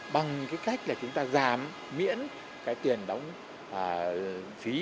bằng cách chúng ta giảm miễn tiền đóng phí